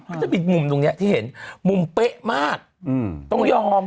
ก็จะมีมุมตรงเนี้ยที่เห็นมุมเป๊ะมากต้องยอม